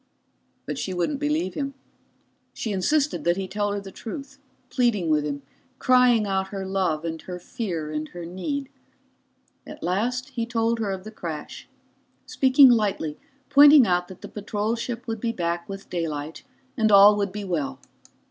But she wouldn't believe him. She insisted that he tell her the truth, pleading with him, crying out her love and her fear and her need. At last he told her of the crash, speaking lightly, pointing out that the patrol ship would be back with daylight and all would be well.